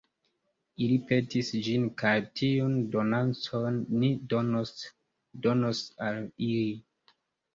Ili petis ĝin kaj tiun donacon ni donos al ili.